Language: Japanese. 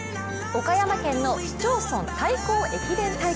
岡山県の市町村対抗駅伝大会。